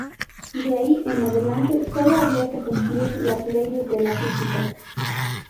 De ahí en adelante solo había que cumplir las leyes de la física.